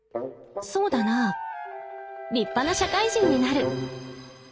そうだなぁ立派な社会人になる。